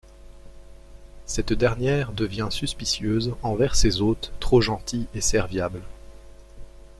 Cette dernière devient suspicieuse envers ces hôtes trop gentils et serviables.